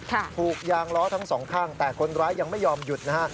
ถูกยางล้อทั้งสองข้างแต่คนร้ายยังไม่ยอมหยุดนะฮะ